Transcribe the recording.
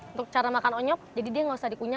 untuk cara makan onyok jadi dia gak usah dikulitkan